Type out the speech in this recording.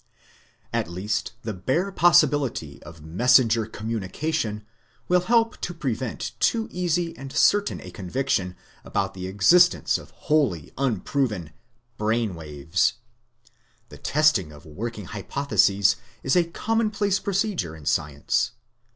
574 The Outline of Science At least the bare possibility of messenger communication will help to prevent too easy and certain a conviction about the ex istence of wholly unproven "brain waves." The testing of work ing hypotheses is a commonplace procedure in science.